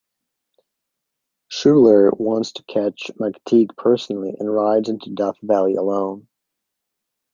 Schouler wants to catch McTeague personally and rides into Death Valley alone.